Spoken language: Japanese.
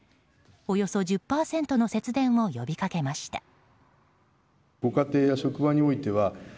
およそ１０％の節電を呼びかけました。